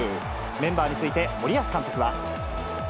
メンバーについて森保監督は。